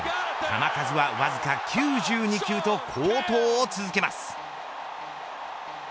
球数はわずか９２球と好投を続けます。